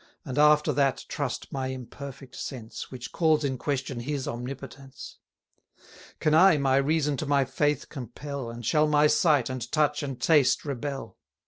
And after that trust my imperfect sense, Which calls in question His Omnipotence? Can I my reason to my faith compel, And shall my sight, and touch, and taste rebel?